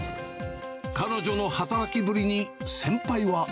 彼女の働きぶりに、先輩は。